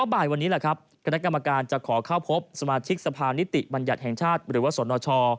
บ่ายวันนี้แหละครับคณะกรรมการจะขอเข้าพบสมาชิกสภานิติบัญญัติแห่งชาติหรือว่าสนช